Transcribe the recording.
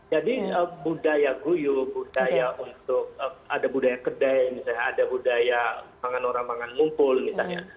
jadi budaya guyup budaya untuk ada budaya kedai misalnya ada budaya pangan orang pangan mumpul misalnya